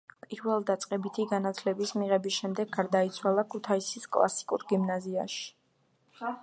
პირველდაწყებითი განათლების მიღების შემდეგ გადაინაცვლა ქუთაისის კლასიკურ გიმნაზიაში.